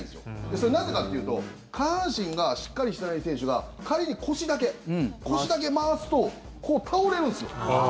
それ、なぜかというと下半身がしっかりしてない選手が仮に腰だけ腰だけ回すとこう、倒れるんですよ。